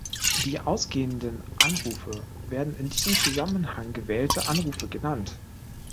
Die ausgehenden Anrufe werden in diesem Zusammenhang "gewählte" Anrufe genannt.